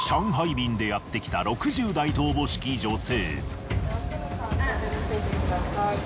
便でやってきた６０代とおぼしき女性。